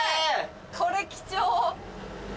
これ貴重。